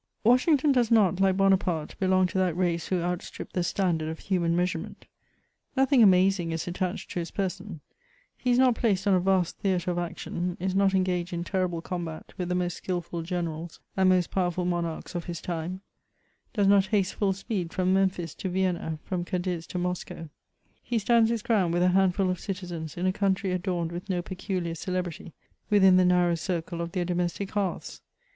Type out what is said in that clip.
Washington does not, like Bonaparte, belong to that race who outstrip the standard of human measurement. Nothing amazing is attached to his person ; he is not placed on a vast theatre of action ; is not engaged in terrible combat with the most skilful generals and most powerful monarchs of his time ; does not haste full speed from Memphis to Vienna, from Cadiz to Moscow ; he stands his ground with a handful of citizens in a country adorned with no peculiar celebrity, within the narrow circle of their do mestic hearths.